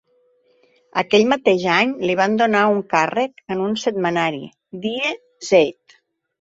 Aquell mateix any li van donar un càrrec en un setmanari: Die Zeit.